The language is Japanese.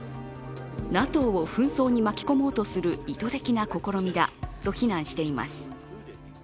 ＮＡＴＯを紛争に巻き込もうとする意図的な試みだと非難しています。